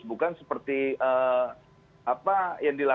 bukan seperti apa